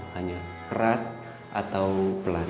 hanya keras atau pelan